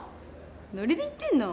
ノリで言ってんの？